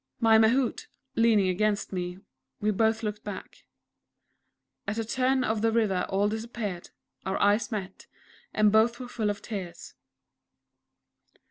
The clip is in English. My Mahout, leaning against me, we both looked back. At a turn of the river all disappeared; our eyes met, and both were full of tears.